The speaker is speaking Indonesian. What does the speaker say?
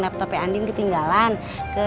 laptopnya andien ketinggalan ke